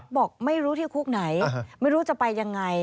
บอกไม่รู้ที่คุกไหนไม่รู้จะไปยังไง